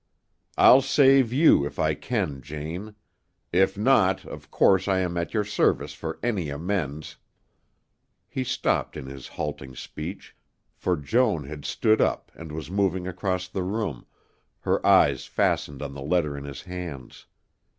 I'll save you if I can, Jane; if not, of course I am at your service for any amends " He stopped in his halting speech, for Joan had stood up and was moving across the room, her eyes fastened on the letter in his hands.